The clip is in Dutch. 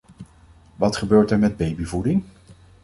Wat gebeurt er met babyvoeding?